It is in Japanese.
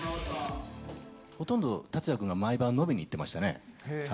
ほとんど、竜也君が毎晩飲みに行ってましたね。